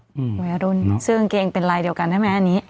จะเป็นแบบนี้แบบวัยรุ่นเสื้อกางเกงเป็นลายเดียวกันใช่ไหมอันนี้